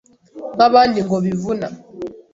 nk’abandi ngo bivuna,